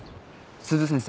鈴先生。